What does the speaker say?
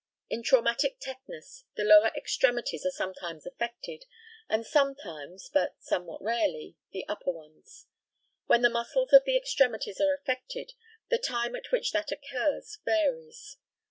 In traumatic tetanus the lower extremities are sometimes affected, and sometimes, but somewhat rarely, the upper ones. When the muscles of the extremities are affected, the time at which that occurs varies.